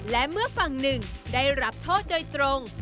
และเมื่อฝั่งหนึ่งได้รับโทษโดยตรง